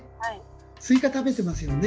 スイカ食べてますよね。